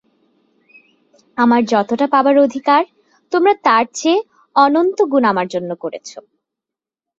আমার যতটা পাবার অধিকার, তোমরা তার চেয়ে অনন্তগুণ আমার জন্য করেছ।